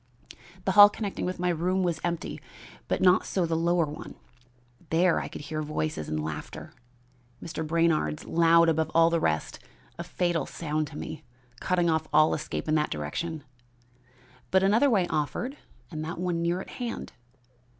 The hall connecting with my room was empty, but not so the lower one. There I could hear voices and laughter, Mr. Brainard's loud above all the rest, a fatal sound to me, cutting off all escape in that direction. But another way offered and that one near at hand.